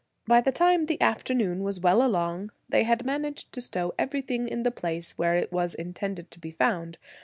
By the time the afternoon was well along they had managed to stow everything in the place where it was intended to be found.